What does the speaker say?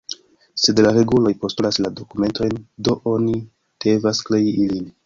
Sed la reguloj postulas la dokumentojn, do oni devas krei ilin.